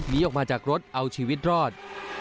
หนีออกมาจากรถเอาชีวิตรอด